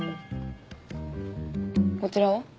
こちらは？